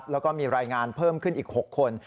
แล้วก็มีรายงานเพิ่มขึ้นอีก๖คน